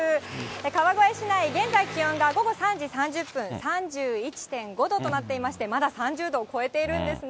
川越市内、午後３時３０分、３１．５度となっていまして、まだ３０度を超えているんですね。